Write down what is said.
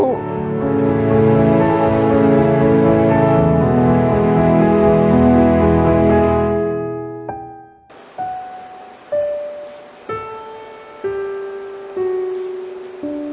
อเรนนี่รับรับ